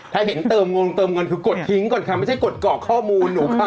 ถ้าเห็นเติมเงินก็กดทิ้งก่อนค่ะไม่ใช่กดกรอกข้อมูลหนูค่ะ